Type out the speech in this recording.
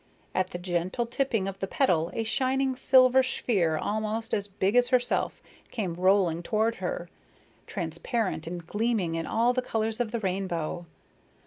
At the gentle tipping of the petal a shining silver sphere almost as big as herself, came rolling toward her, transparent and gleaming in all the colors of the rainbow.